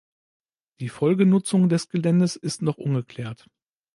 Die Folgenutzung des Geländes ist noch ungeklärt.